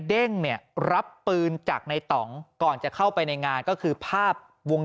เด้งเนี่ยรับปืนจากในต่องก่อนจะเข้าไปในงานก็คือภาพวง